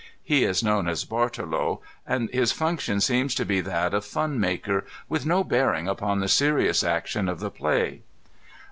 He is known as Bartolo, and his function seems to be that of fun maker, with no bearing upon the serious action of the play.